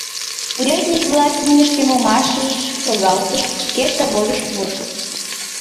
Урядник-влак имньыштым омашыш шогалтышт, шкешт заводыш пурышт.